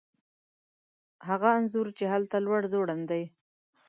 هغه انځور چې هلته لوړ ځوړند دی